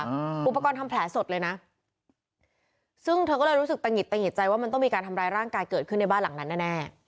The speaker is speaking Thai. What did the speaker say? อุปกรณ์ทำแผลสดเลยนะซึ่งเธอก็เลยรู้สึกตะหิดตะหิดใจว่ามันต้องมีการทำร้ายร่างกายเกิดขึ้นในบ้านหลังนั้นแน่แน่